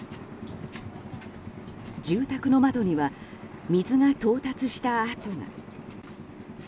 住宅の窓には水が到達した跡が。